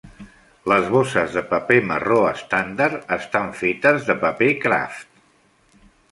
Les bosses de paper marró estàndard estan fetes de paper kraft.